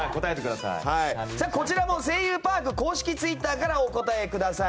こちらも「声優パーク」公式ツイッターからお答えください。